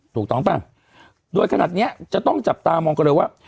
ถูกต้องป่ะโดยขนาดเนี้ยจะต้องจับตามองกันเลยว่า